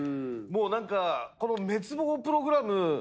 もう何かこの滅亡プログラム